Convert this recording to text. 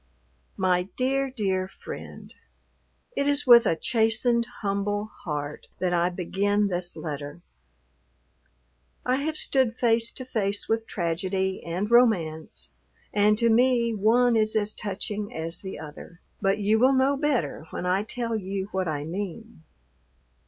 MY DEAR, DEAR FRIEND, It is with a chastened, humble heart that I begin this letter; I have stood face to face with tragedy and romance, and to me one is as touching as the other, but you will know better when I tell you what I mean.